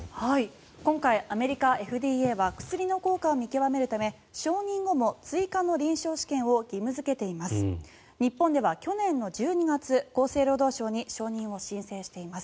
今回、アメリカのＦＤＡは薬の効果を見極めるため承認後も追加の臨床試験を義務付けています。